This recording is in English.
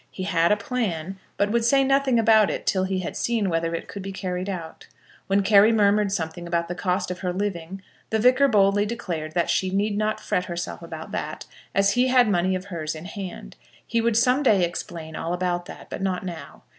He had a plan; but would say nothing about it till he had seen whether it could be carried out. When Carry murmured something about the cost of her living the Vicar boldly declared that she need not fret herself about that, as he had money of hers in hand. He would some day explain all about that, but not now.